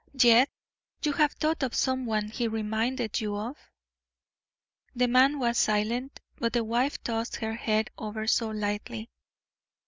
"Yet you have thought of someone he reminded you of?" The man was silent, but the wife tossed her head ever so lightly.